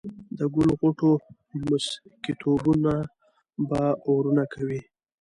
د ګل غوټو مسكيتوبونه به اورونه کوي